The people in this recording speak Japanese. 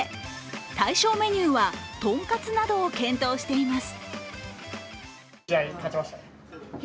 対象メニューはとんかつなどを検討しています。